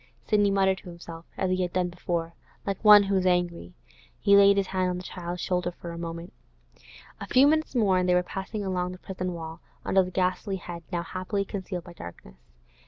Sidney muttered to himself, as he had done before, like one who is angry. He laid his hand on the child's shoulder for a moment. A few minutes more, and they were passing along by the prison wall, under the ghastly head, now happily concealed by darkness.